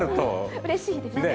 うれしいです。